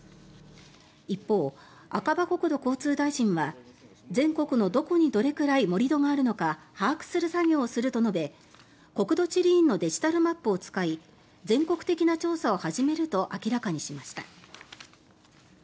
一方、赤羽国土交通大臣は全国のどこにどれくらい盛り土があるのか把握する作業をすると述べ国土地理院のデジタルマップを使い全国的な調査を始めると明らかにしました。